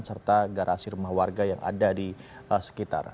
serta garasi rumah warga yang ada di sekitar